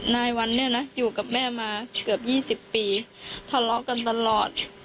นายวันเนี่ยนะอยู่กับแม่มาเกือบ๒๐ปีทะเลาะกันตลอด